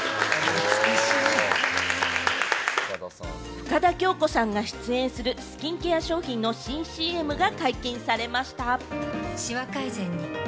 深田恭子さんが出演するスキンケア商品の新ＣＭが解禁されました。